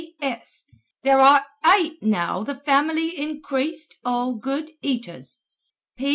P. S. There are eight now the family increased all good eaters.